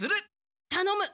たのむ。